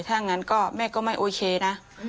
ถ้างั้นก็แม่ก็ไม่โอเคนะ